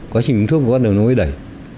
quá trình uống thuốc của bác đồng nó mới đẩy